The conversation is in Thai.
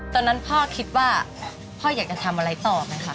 ตอนนั้นพ่อคิดว่าพ่ออยากจะทำอะไรต่อไหมคะ